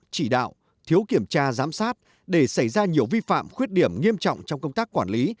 chỉ đạo thiếu kiểm tra giám sát để xảy ra nhiều vi phạm khuyết điểm nghiêm trọng trong công tác quản lý